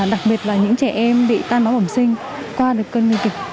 đặc biệt là những trẻ em bị tan máu bẩm sinh qua được cơn nguy kịch